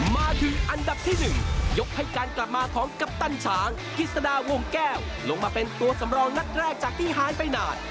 มาถึงอันดับที่๑ยกให้การกลับมาของกัปตันช้างกิจสดาวงแก้วลงมาเป็นตัวสำรองนัดแรกจากที่หายไปนาน